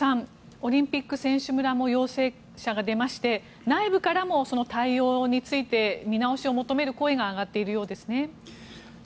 オリンピック選手村も陽性者が出まして内部からも対応について見直しを求める声が上がっているようですね。